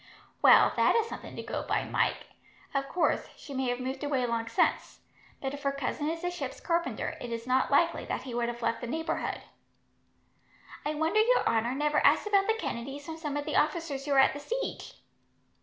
"Well, that is something to go by, Mike. Of course, she may have moved away long since; but if her cousin is a ship's carpenter, it is not likely that he would have left the neighbourhood." "I wonder your honour never asked about the Kennedys from some of the officers who were at the siege?"